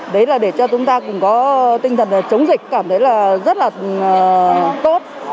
đấy là để cho chúng ta cũng có tinh thần chống dịch cảm thấy là rất là tốt